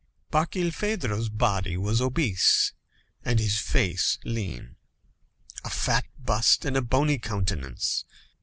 Barkilphedro's body was obese and his face lean. A fat bust and a bony countenance.